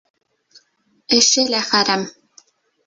Эше лә хәрәм.